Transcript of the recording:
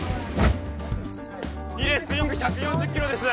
楡スイング１４０キロです